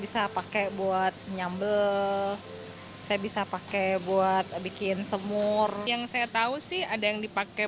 bisa pakai buat nyambel saya bisa pakai buat bikin semur yang saya tahu sih ada yang dipakai